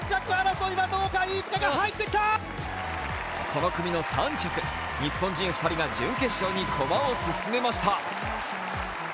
この組の３着、日本人２人が準決勝に駒を進めました。